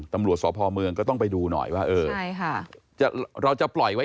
ตำรวจสอบภอม์เมืองก็ต้องไปดูหน่อยว่า